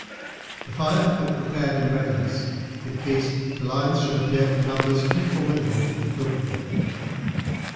The fire had been prepared in readiness in case the lions should appear in numbers too formidable to be coped with.